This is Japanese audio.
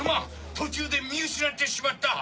途中で見失ってしまった！